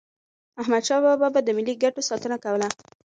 احمدشاه بابا به د ملي ګټو ساتنه کوله.